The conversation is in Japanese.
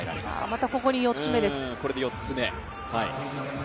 またここに４つ目です。